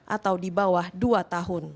atau di bawah dua tahun